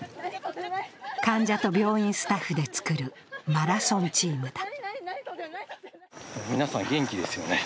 患者と病院スタッフで作るマラソンチームだ。